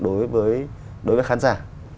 đối với khán giả